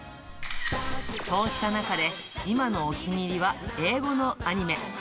そうした中で、今のお気に入りは英語のアニメ。